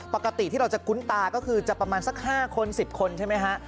ปกติที่เราจะคุ้นตาก็คือจะประมาณสัก๕คน๑๐คนใช่ไหมฮะ